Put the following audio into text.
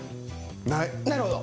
なるほど。